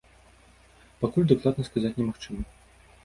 Пакуль дакладна сказаць немагчыма.